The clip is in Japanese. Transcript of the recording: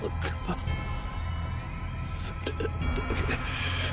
それだけ。